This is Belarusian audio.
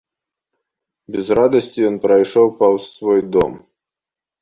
Без радасці ён прайшоў паўз свой дом.